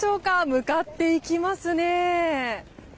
向かっていきますね。